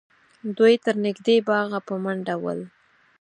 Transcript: دوی تر نږدې باغه په منډه ول